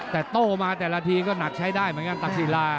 แต่โต้มาแต่ละทีก็หนักใช้ได้เหมือนกันตักศิลา